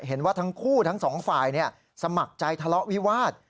เห็นว่าทั้งคู่ทั้งสองฝ่ายสมัครใจทะเลาะวิวาส